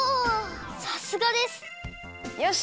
さすがです！よし！